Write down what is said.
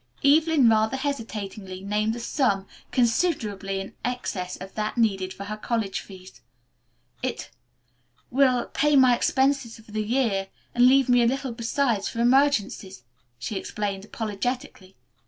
Evelyn rather hesitatingly named a sum considerably in excess of that needed for her college fees. "It will pay my expenses for the year and leave me a little besides for emergencies," she explained apologetically.